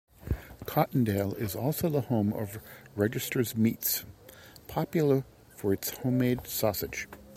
Cottondale is also the home of Registers Meats, popular for its homemade sausage.